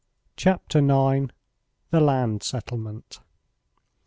CHAPTER IX. THE LAND SETTLEMENT.